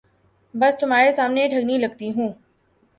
بس تمہارے سامنے ٹھگنی لگتی ہوں۔